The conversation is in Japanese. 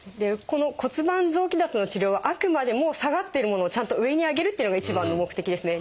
この骨盤臓器脱の治療はあくまでも下がっているものをちゃんと上に上げるっていうのが一番の目的ですね。